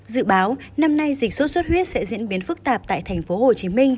dự báo năm nay dịch sốt xuất huyết sẽ diễn biến phức tạp tại tp hcm